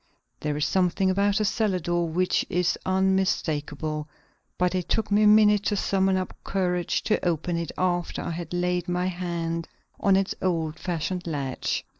There is something about a cellar door which is unmistakable, but it took me a minute to summon up courage to open it after I had laid my hand on its old fashioned latch.